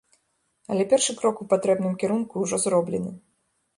Але першы крок у патрэбным кірунку ўжо зроблены.